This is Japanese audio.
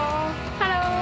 ハロー！